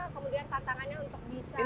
kemudian tantangannya untuk bisa